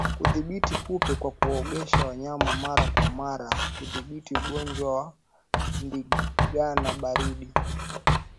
Kudhibiti kupe kwa kuogesha wanyama mara kwa mara hudhibiti ugonjwa wa ndigana baridi